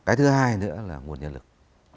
cái thứ hai nữa là nguồn nhân lực